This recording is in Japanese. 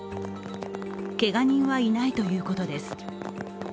けが人はいないということです。